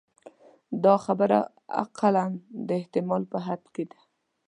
دا برخه اقلاً د احتمال په حد کې ده.